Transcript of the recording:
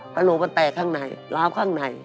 ประโลกมันแตกข้างในราบข้างใน